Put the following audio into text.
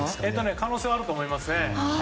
可能性はあると思いますね。